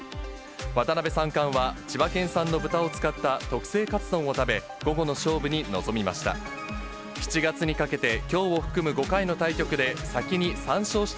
渡辺三冠は千葉県産の豚を使った特製カツ丼を食べ、午後の勝負に臨みました。